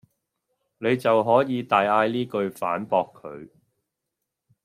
你就可以大嗌呢句反駁佢